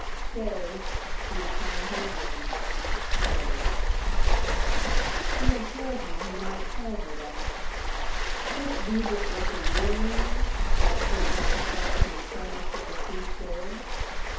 Stay, she had signed her name "Mary." She had told him he might call her that. Could it be that it was her real name, and that she had meant to trust him with so much of her true story?